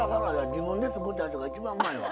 自分で作ったやつが一番うまいわ。